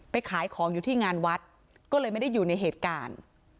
ขายของอยู่ที่งานวัดก็เลยไม่ได้อยู่ในเหตุการณ์